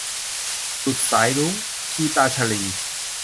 สุดสายรุ้ง - คีตาญชลี